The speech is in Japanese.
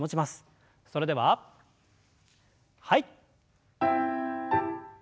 それでははい。